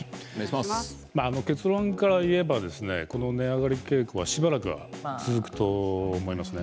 結論から言えば値上がり傾向はしばらく続くと思います。